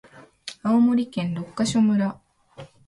青森県六ヶ所村